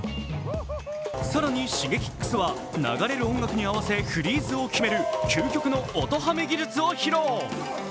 更にＳｈｉｇｅｋｉｘは流れる音楽に合わせフリーズを決める究極の音ハメ技術を披露。